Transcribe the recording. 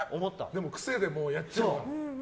でも癖でやっちゃうんだ。